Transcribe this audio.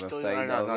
どうぞ。